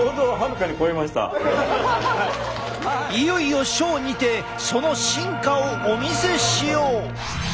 いよいよショーにてその真価をお見せしよう！